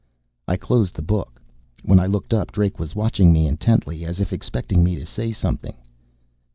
I closed the book. When I looked up, Drake was watching me intently, as if expecting me to say something.